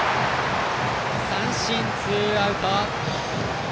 三振、ツーアウト。